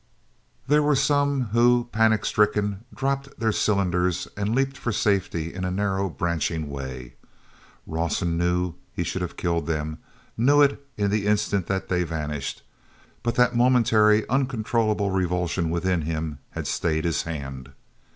There were some who, panic stricken, dropped their cylinders and leaped for safety in a narrow branching way. Rawson knew he should have killed them, knew it in the instant that they vanished, but that momentary, uncontrollable revulsion within him had stayed his hand.